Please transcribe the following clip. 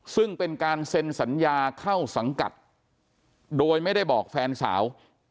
ซึ่งเป็นการเซ็นสัญญาเข้าสังกัดโดยไม่ได้บอกแฟนสาว